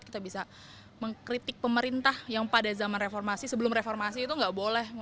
kita bisa mengkritik pemerintah yang pada zaman reformasi sebelum reformasi itu nggak boleh